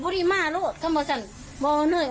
อืม